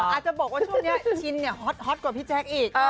อาจจะบอกว่าช่วงนี้ชินเนี่ยฮอตกว่าพี่แจ๊คอีก